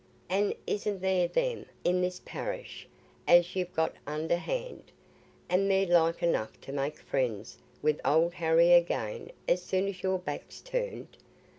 An' isn't there them i' this parish as you've got under hand, and they're like enough to make friends wi' Old Harry again as soon as your back's turned?